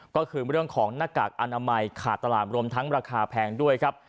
ก็คือเรื่องของหน้ากากอนามัยขาดตลาดรวมทั้งราคาแพงด้วยครับ